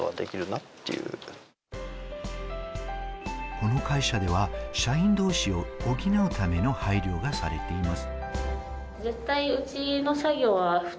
この会社では社員同士を補うための配慮がされています。